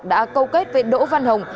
đã câu kết về đỗ văn hồng